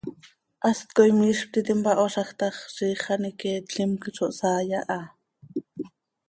Hast coi miizj ptiti mpahoozaj ta x, ziix an iqueetlim zo hsaai aha.